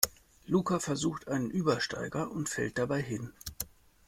Luca versucht einen Übersteiger und fällt dabei hin.